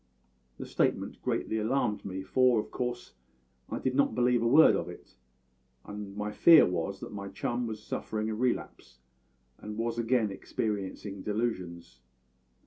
The statement greatly alarmed me, for of course I did not believe a word of it, and my fear was that my chum was suffering a relapse, and was again experiencing delusions.